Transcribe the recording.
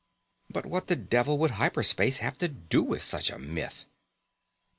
But what the devil would hyper space have to do with such a myth?